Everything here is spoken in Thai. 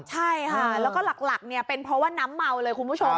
ใช่ค่ะแล้วก็หลักเนี่ยเป็นเพราะว่าน้ำเมาเลยคุณผู้ชม